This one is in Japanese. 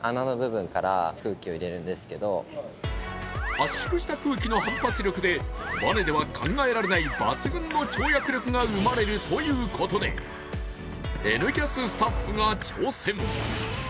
圧縮した空気の反発力でバネでは考えられない抜群の跳躍力が生まれるということで「Ｎキャス」スタッフが挑戦。